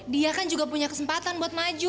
dia kan juga punya kesempatan buat maju